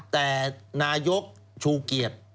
แต่นายกชูเกียรติ